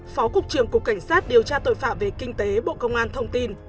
phó cục trưởng cục cảnh sát điều tra tội phạm về kinh tế bộ công an thông tin